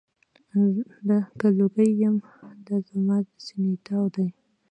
که لوګی یم، دا زما د سینې تاو دی.